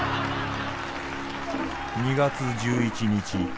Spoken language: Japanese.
「２月１１日。